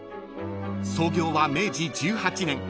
［創業は明治１８年］